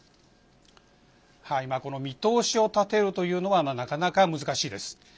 この見通しを立てるというのがなかなか難しいです。